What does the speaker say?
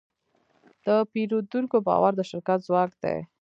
د پیرودونکي باور د شرکت ځواک دی.